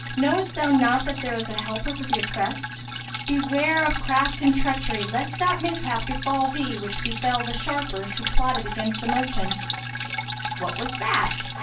Knowest thou not that there is a Helper for the oppressed? Beware of craft and treachery, lest that mishap befal thee which befel the sharpers who plotted against the merchant." "What was that?"